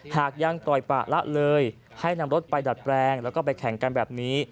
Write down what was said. หากยังปล่อยปะละเลยให้นำรถไปดัดแปลงแล้วก็ไปแข่งกันแบบนี้